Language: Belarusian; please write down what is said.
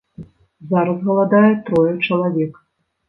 Зараз галадае трое чалавек.